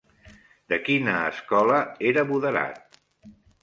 De quina escola era Moderat?